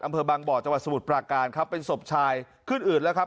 อำเภอบางบ่อจังหวัดสมุทรปราการครับเป็นศพชายขึ้นอืดแล้วครับ